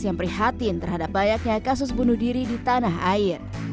yang prihatin terhadap banyaknya kasus bunuh diri di tanah air